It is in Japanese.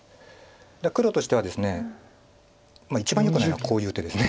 黒としてはですね一番よくないのはこういう手です。